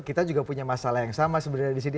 kita juga punya masalah yang sama sebenarnya disini